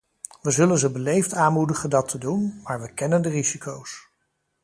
We zullen ze beleefd aanmoedigen dat te doen, maar we kennen de risico's.